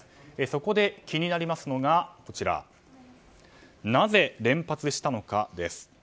そこで、気になりますのがなぜ連発したのかです。